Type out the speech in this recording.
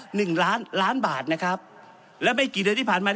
หนึ่งล้านล้านบาทนะครับแล้วไม่กี่เดือนที่ผ่านมา